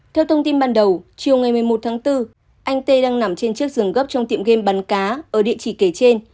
theo thông tin ban đầu chiều ngày một mươi một tháng bốn anh tê đang nằm trên chiếc giường gấp trong tiệm game bắn cá ở địa chỉ kể trên